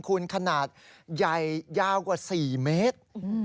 คุณขนาดใหญ่ยาวกว่า๔เมตร